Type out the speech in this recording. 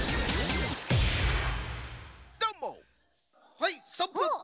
はいストップ。